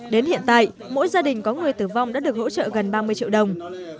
đến hiện tại mỗi gia đình có người tử vong đã được hỗ trợ gần ba mươi triệu đồng